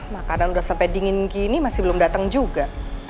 makanan udah sampai dingin gini masih belum dateng juga